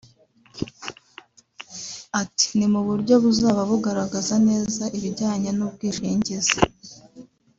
Ati “Ni mu buryo buzaba bugaragaza neza ibijyanye n’ubwishingizi